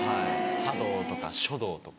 茶道とか書道とか。